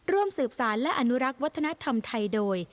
ร่วมสืบสารและอนุรักษ์วัฒนธรรมไทยโดย